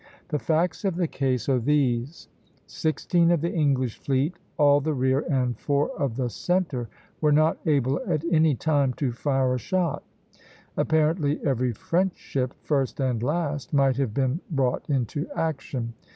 The facts of the case are these: Sixteen of the English fleet, all the rear and four of the centre (Position II., c), were not able at any time to fire a shot. Apparently every French ship, first and last, might have been brought into action.